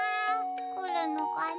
くるのかな？